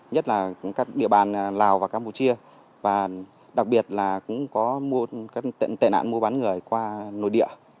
nhất là các địa bàn lào và campuchia và đặc biệt là cũng có các tệ nạn mua bán người qua nội địa